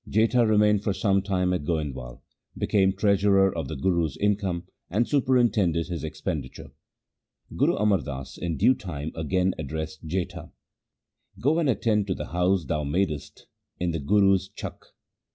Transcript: Jetha remained for some time at Goindwal, became treasurer of the Guru's income and superintended his expenditure. Guru Amar Das in due time again addressed Jetha :' Go and attend to the house thou madest in the Guru's Chakk.